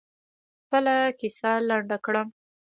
خپله کیسه لنډه کړم.